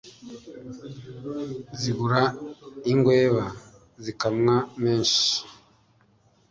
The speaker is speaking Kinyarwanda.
zigura ingweba zikamwa menshi